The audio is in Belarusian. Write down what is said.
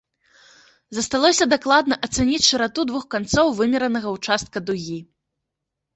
Засталося дакладна ацаніць шырату двух канцоў вымеранага ўчастка дугі.